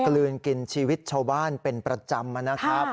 กลืนกินชีวิตชาวบ้านเป็นประจำนะครับ